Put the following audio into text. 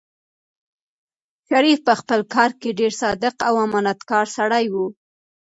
شریف په خپل کار کې ډېر صادق او امانتکار سړی و.